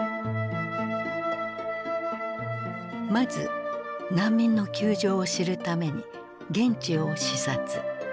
まず難民の窮状を知るために現地を視察。